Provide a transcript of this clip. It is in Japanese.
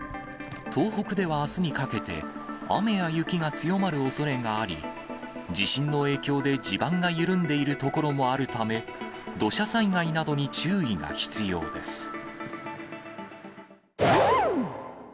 東北ではあすにかけて、雨や雪が強まるおそれがあり、地震の影響で地盤が緩んでいる所もあるため、土砂災害などに注意が必要です。